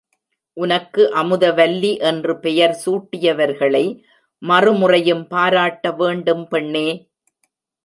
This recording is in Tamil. உனக்கு அமுதவல்லி என்று பெயர் சூட்டியவர்களை மறுமுறையும் பாராட்ட வேண்டும் பெண்ணே!